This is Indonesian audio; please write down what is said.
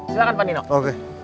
silahkan pak nino